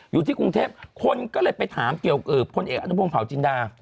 อยู่ที่กรุงเทพฯคนก็เลยไปถามเกี่ยวกับคนเอกอันตนพรุ่งเผาจินดา